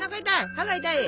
歯が痛い？